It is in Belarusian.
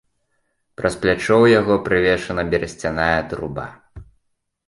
Праз плячо ў яго прывешана берасцяная труба.